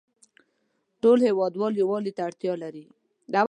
ټول هیوادوال یووالې ته اړتیا لری